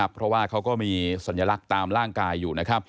เพราะว่าเขาก็มีสัญลักษณ์ตามร่างกายอยู่นะครับ